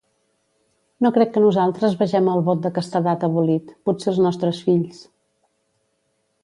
No crec que nosaltres vegem el vot de castedat abolit, potser el nostres fills...